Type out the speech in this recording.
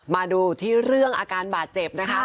มาดูที่เรื่องอาการบาดเจ็บนะคะ